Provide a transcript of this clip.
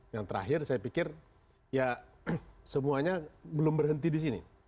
yang terakhir saya pikir ya semuanya belum berhenti di sini